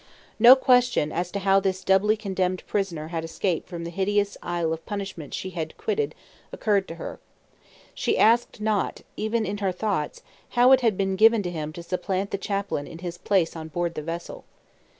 No question as to how this doubly condemned prisoner had escaped from the hideous isle of punishment she had quitted occurred to her. She asked not even in her thoughts how it had been given to him to supplant the chaplain in his place on board the vessel.